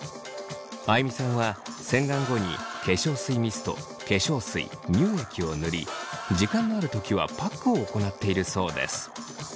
あいみさんは洗顔後に化粧水ミスト化粧水乳液を塗り時間のある時はパックを行っているそうです。